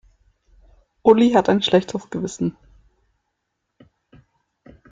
Uli hat ein schlechtes Gewissen.